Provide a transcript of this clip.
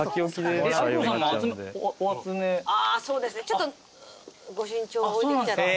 ちょっと御朱印帳置いてきちゃった。